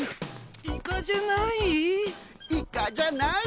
「イカじゃない？」